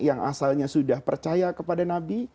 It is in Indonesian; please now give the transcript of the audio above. yang asalnya sudah percaya kepada nabi